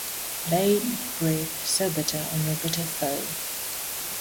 Lay breath so bitter on your bitter foe.